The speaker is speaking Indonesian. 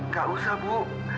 gak usah bu